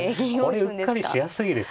これうっかりしやすいですね。